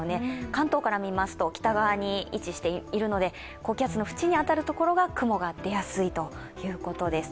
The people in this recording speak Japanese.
関東から見ますと北側に位置しているので高気圧の縁に当たるところが雲が出やすいということです。